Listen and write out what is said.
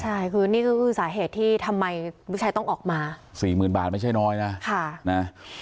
ใช่คือนี่ก็คือสาเหตุที่ทำไมลูกชายต้องออกมาสี่หมื่นบาทไม่ใช่น้อยนะค่ะนะ